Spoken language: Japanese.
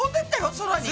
空に。